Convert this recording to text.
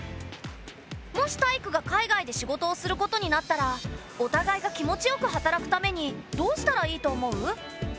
もしタイイクが海外で仕事をすることになったらお互いが気持ちよく働くためにどうしたらいいと思う？